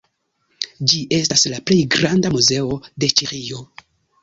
Ĝi estas la plej granda muzeo de Ĉeĥio.